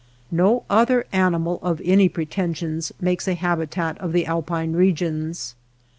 No other animal of any pretensions makes a habitat of the alpine regions.